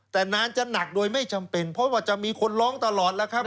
แต่นานจะหนักโดยไม่จำเป็นเพราะว่าจะมีคนร้องตลอดแล้วครับ